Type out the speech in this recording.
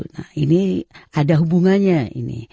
nah ini ada hubungannya ini